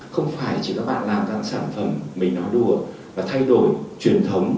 không phải chỉ các bạn làm ra sản phẩm mình nói đùa và thay đổi truyền thống